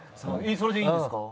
それでいいんですか？